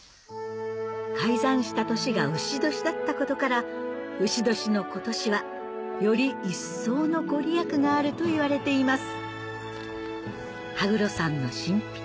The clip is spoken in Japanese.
開山した年がうし年だったことからうし年の今年はより一層の御利益があるといわれています